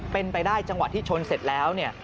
เป็นไปได้จังหวะที่ชนเสร็จแล้วเนี่ย